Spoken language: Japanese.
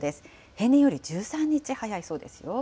平年より１３日早いそうですよ。